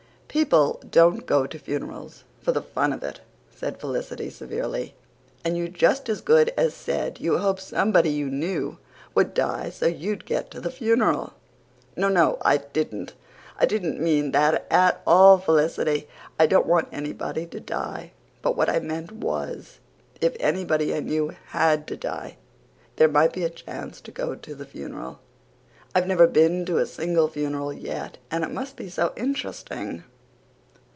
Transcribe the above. "People don't go to funerals for the fun of it," said Felicity severely. "And you just as good as said you hoped somebody you knew would die so you'd get to the funeral." "No, no, I didn't. I didn't mean that AT ALL, Felicity. I don't want anybody to die; but what I meant was, if anybody I knew HAD to die there might be a chance to go to the funeral. I've never been to a single funeral yet, and it must be so interesting."